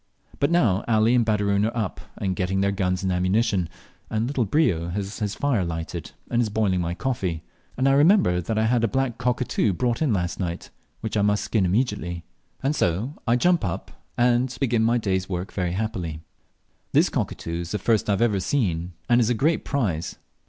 But now Ali and Baderoon are up and getting ready their guns and ammunition, and little Brio has his fire lighted and is boiling my coffee, and I remember that I had a black cockatoo brought in late last night, which I must skin immediately, and so I jump up and begin my day's work very happily. This cockatoo is the first I have seen, and is a great prize.